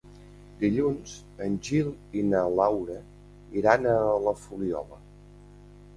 Dilluns en Gil i na Laura iran a la Fuliola.